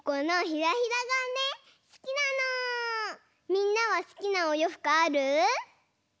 みんなはすきなおようふくある？